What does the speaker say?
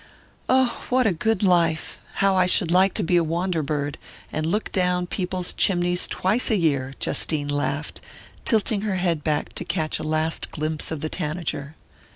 "Oh, what a good life how I should like to be a wander bird, and look down people's chimneys twice a year!" Justine laughed, tilting her head back to catch a last glimpse of the tanager.